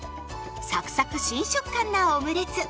サクサク新食感なオムレツ。